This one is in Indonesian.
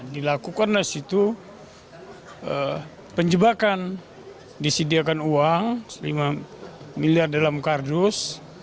dilakukanlah situ penjebakan disediakan uang lima miliar dalam kardus